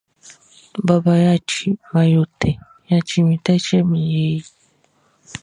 Baba man yo tɛ, yatchi mi tɛ tchɛ mi he.